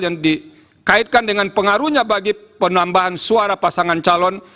yang dikaitkan dengan pengaruhnya bagi penambahan suara pasangan calon